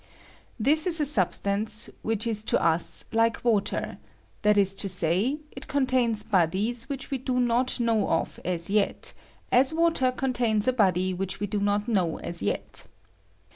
This is a substance which is to tis hke water — that is to say, it containa bodies which we do not know of as yet, as water contains a body which we do not know as yet.